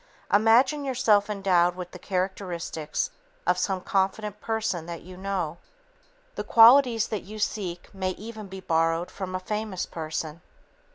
Imagine yourself endowed with the characteristics of some confident person that you know. The qualities that you seek may even be borrowed from a famous person.